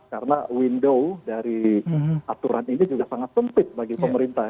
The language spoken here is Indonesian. karena window dari aturan ini juga sangat sempit bagi pemerintah